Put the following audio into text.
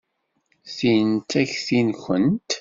Tin d takti-nwent?